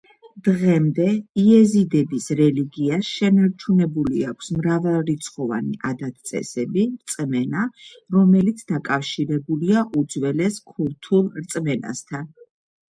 დღემდე იეზიდების რელიგიას შენარჩუნებული აქვს მრავალრიცხოვანი ადათ-წესები, რწმენა, რომელიც დაკავშირებულია უძველეს ქურთულ რწმენასთან.